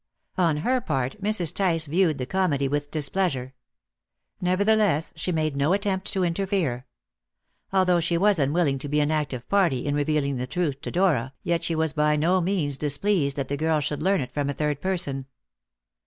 On her part, Mrs. Tice viewed the comedy with displeasure. Nevertheless, she made no attempt to interfere. Although she was unwilling to be an active party in revealing the truth to Dora, yet she was by no means displeased that the girl should learn it from a third person.